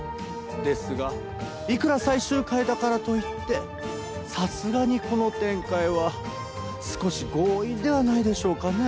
ですがいくら最終回だからといってさすがにこの展開は少し強引ではないでしょうかね。